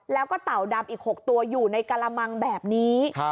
แล้วก็เต่าดำอีก๖ตัวอยู่ในกระมังแบบนี้